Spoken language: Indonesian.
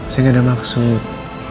saya gak ada maksud